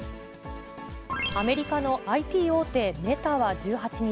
アメリカのＩＴ大手、メタは１８日、